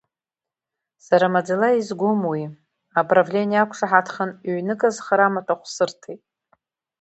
Сара маӡала изгом уи, аправление ақәшаҳаҭхан ҩнык азхара амаҭәахә сырҭеит.